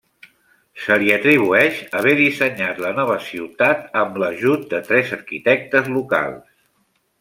Se li atribueix haver dissenyat la nova ciutat amb l'ajut de tres arquitectes locals.